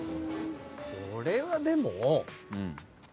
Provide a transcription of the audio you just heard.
これはでも。